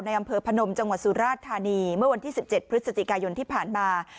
อำเภอพนมจังหวัดสุราชธานีเมื่อวันที่๑๗พฤศจิกายนที่ผ่านมา